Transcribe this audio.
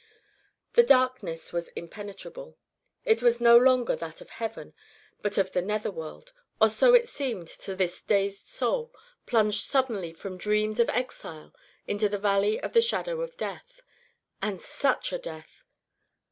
The darkness was impenetrable. It was no longer that of heaven, but of the nether world, or so it seemed to this dazed soul, plunged suddenly from dreams of exile into the valley of the shadow of death. And such a death!